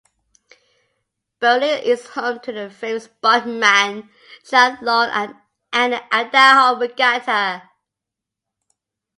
Burley is home to the famed "Spudman" Triathlon and the Idaho Regatta.